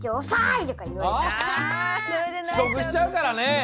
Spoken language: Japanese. ちこくしちゃうからね。